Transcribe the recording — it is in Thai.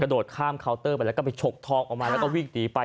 โดดข้ามเคาน์เตอร์ไปแล้วก็ไปฉกทองออกมาแล้วก็วิ่งหนีไป